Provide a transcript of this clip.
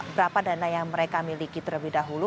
berapa dana yang mereka miliki terlebih dahulu